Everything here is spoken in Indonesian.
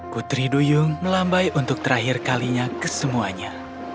putri duyung melambai untuk terakhir kalinya ke semuanya